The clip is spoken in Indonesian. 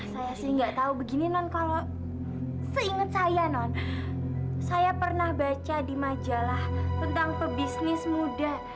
saya sih nggak tahu begini non kalau seingat saya non saya pernah baca di majalah tentang pebisnis muda